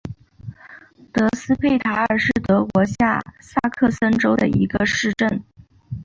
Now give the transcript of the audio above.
德斯佩塔尔是德国下萨克森州的一个市镇。